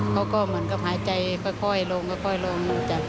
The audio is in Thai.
เขาก็เหมือนกับหายใจค่อยลงลง